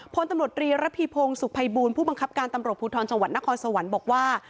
พลตำรวจรีระพีพงศ์สุขภัยบูลผู้บังคับการตำรวจภูทรจังหวัดนครสวรรค์บอกว่า